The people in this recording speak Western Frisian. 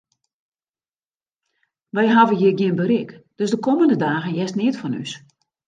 Wy hawwe hjir gjin berik, dus de kommende dagen hearst neat fan ús.